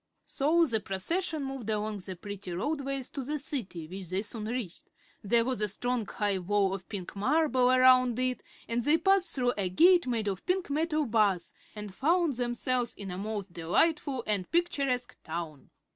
So the procession moved along the pretty roadways to the City, which they soon reached. There was a strong high wall of pink marble around it and they passed through a gate made of pink metal bars and found themselves in a most delightful and picturesque town.